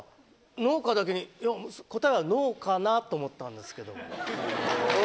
農家だけに答えは「ノーか」なと思ったんですけど。